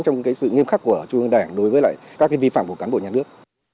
trong sự nghiêm khắc của trung ương đảng đối với các vi phạm của cán bộ nhà nước